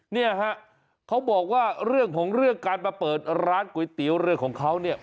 เนี่ยฮะเขาบอกว่าเรื่องของเรื่องการมาเปิดร้านก๋วยเตี๋ยวเรือของเขาเนี่ย